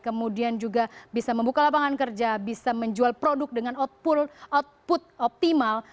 kemudian juga bisa membuka lapangan kerja bisa menjual produk dengan output optimal